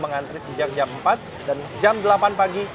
mengantri sejak jam empat dan jam delapan pagi